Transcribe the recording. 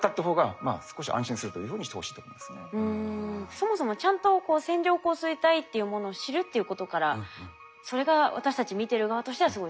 そもそもちゃんと線状降水帯っていうものを知るっていうことからそれが私たち見てる側としてはすごい大切ですね。